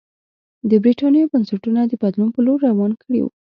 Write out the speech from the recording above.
د برېټانیا بنسټونه د بدلون په لور روان کړي وو.